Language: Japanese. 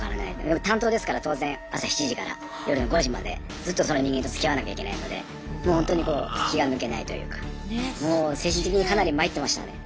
でも担当ですから当然朝７時から夜の５時までずっとその人間とつきあわなきゃいけないのでもうほんとにこう気が抜けないというかもう精神的にかなり参ってましたね。